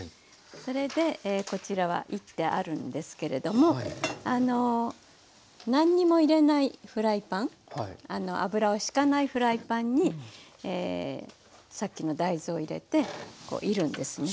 それでこちらはいってあるんですけれども何にも入れないフライパン油をしかないフライパンにさっきの大豆を入れているんですね。